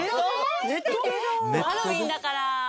ハロウィーンだから。